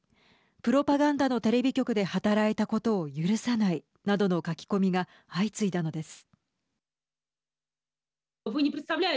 プロパガンダのテレビ局で働いたことを許さないなどの書き込みが相次いだのです。